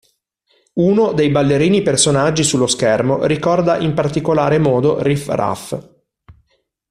Uno dei ballerini-personaggi sullo schermo, ricorda in particolare modo Riff-Raff.